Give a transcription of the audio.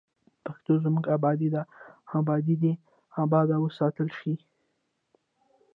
پښتو زموږ ابادي ده او ابادي دې اباد وساتل شي.